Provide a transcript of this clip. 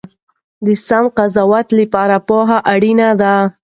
د سم قضاوت لپاره پوهه اړینه ده.